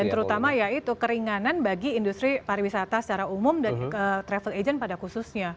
dan terutama yaitu keringanan bagi industri pariwisata secara umum dan travel agent pada khususnya